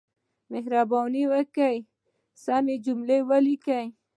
مهرباني وکړئ، سمې جملې وليکئ!